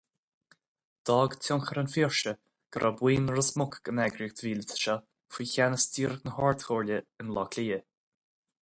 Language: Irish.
D'fhág tionchar an Phiarsaigh go raibh buíon Ros Muc den eagraíocht mhíleata seo faoi cheannas díreach na hardchomhairle i mBaile Átha Cliath.